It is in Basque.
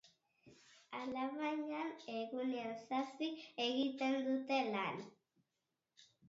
Alabaina, egunean zazpik egiten dute lan.